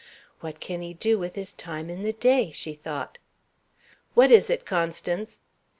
"What can he do with his time in the day?" she thought. "What is it, Constance?"